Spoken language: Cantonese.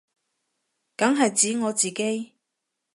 梗係指我自己